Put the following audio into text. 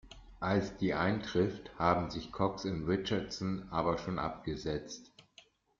Als die eintrifft, haben sich Cox und Richardson aber schon abgesetzt.